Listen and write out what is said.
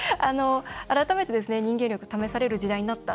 改めてですね人間力、試される時代になった。